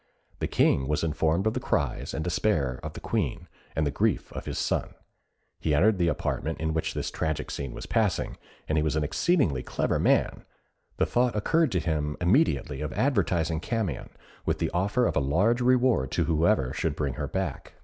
The King was informed of the cries and despair of the Queen, and the grief of his son. He entered the apartment in which this tragic scene was passing, and as he was an exceedingly clever man, the thought occurred to him immediately of advertising Camion, with the offer of a large reward to whoever should bring her back.